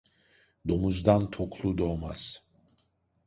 Domuzdan toklu doğmaz.